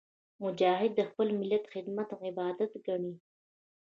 مجاهد د خپل ملت خدمت عبادت ګڼي.